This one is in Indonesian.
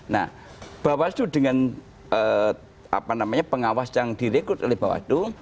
nah bawaslu dengan pengawas yang direkrut oleh bawaslu